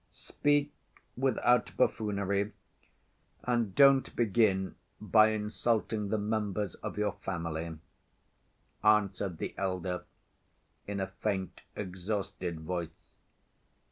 "Speak without buffoonery, and don't begin by insulting the members of your family," answered the elder, in a faint, exhausted voice.